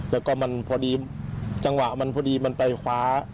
แล้วก็จังหวะมันพอดีมันไปขวา